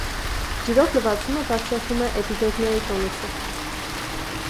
Ջրով լվացումը բարձրացնում է էպիդերմայի տոնուսը։